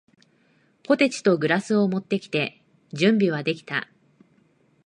ポテチとグラスを持ってきて、準備はできた。